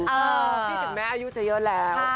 พี่จริงแม่อายุจะเยอะแล้ว